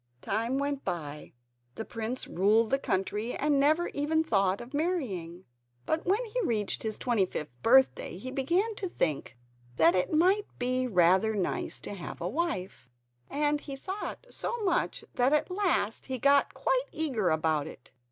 Time went by. The prince ruled the country and never even thought of marrying. But when he reached his twenty fifth birthday he began to think that it might be rather nice to have a wife, and he thought so much that at last he got quite eager about it.